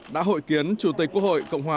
đã hội kiến chủ tịch quốc hội cộng hòa